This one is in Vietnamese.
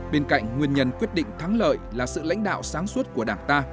bên cạnh nguyên nhân quyết định thắng lợi là sự lãnh đạo sáng suốt của đảng ta